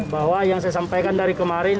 bahwa yang saya sampaikan dari kemarin